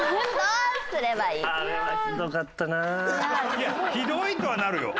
いや「ひどい」とはなるよ。